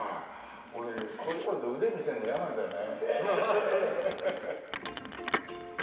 俺こういうところで腕見せるの嫌なんだよね。